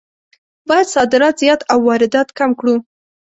باید صادرات زیات او واردات کم کړو.